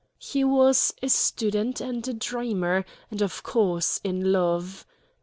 He was a student and a dreamer, and of course in love.